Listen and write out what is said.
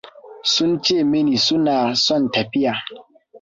Sun ce mini suna son tafiya.